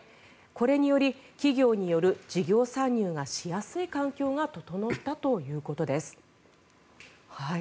これにより、企業による事業参入がしやすい環境が整ったということです。